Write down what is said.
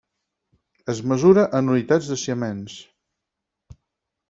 Es mesura en unitats de siemens.